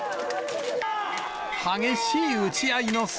激しい打ち合いの末。